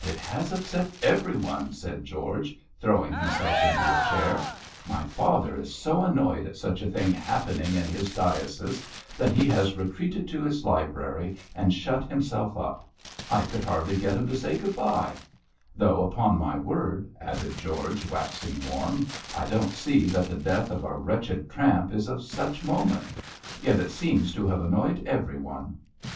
it has upset everyone,' said George, throwing himself into a chair. 'My father is so annoyed at such a thing happening in his diocese that he has retreated to his library and shut himself up. I could hardly get him to say good bye. Though, upon my word,' added George, waxing warm, 'I don't see that the death of a wretched tramp is of such moment; yet it seems to have annoyed everyone.'